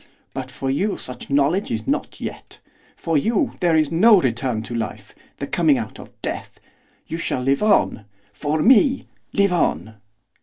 But for you such knowledge is not yet. For you there is the return to life, the coming out of death, you shall live on! for me! Live on!